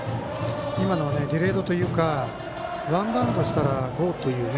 今のはディレードというかワンバウンドしたらゴーという。